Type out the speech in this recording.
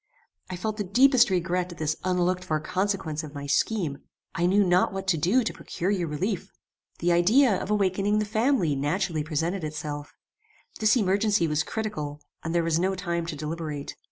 I felt the deepest regret at this unlooked for consequence of my scheme. I knew not what to do to procure you relief. The idea of awakening the family naturally presented itself. This emergency was critical, and there was no time to deliberate.